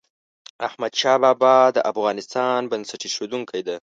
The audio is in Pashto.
احمد شاه بابا د افغانستان بنسټ ایښودونکی ده.